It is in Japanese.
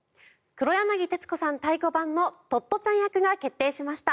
黒柳徹子さん太鼓判のトットちゃん役が決定しました。